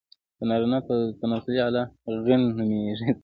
د نارينه تناسلي اله، غيڼ نوميږي.